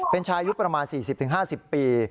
เป็นชายุคประมาณ๔๐๕๐ปี